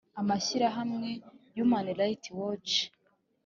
amashyirahamwe human rights watch